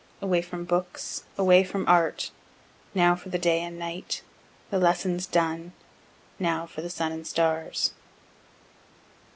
_ _Away from Books away from Art, Now for the Day and Night the lessons done, Now for the Sun and Stars.